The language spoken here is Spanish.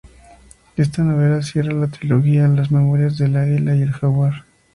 Esta novela cierra la trilogía "Las memorias del Águila y el Jaguar".